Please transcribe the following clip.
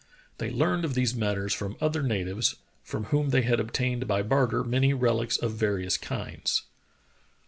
They learned of these matters from other natives, from whom they had obtained by barter many relics of various kinds.